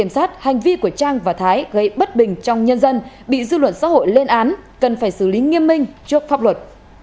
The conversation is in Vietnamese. hành vi của trang và thái gây bất bình trong nhân dân bị dư luận xã hội lên án cần phải xử lý nghiêm minh trước pháp luật